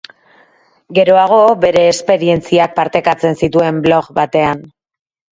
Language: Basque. Geroago, bere esperientziak partekatzen zituen blog batean.